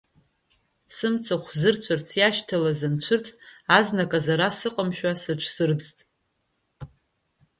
Сымцахә зырцәарц иашьҭалаз анцәырҵ, азныказ ара сыҟамшәа сыҽсырӡт.